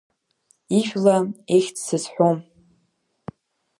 Ижәла, ихьӡ сызҳәом.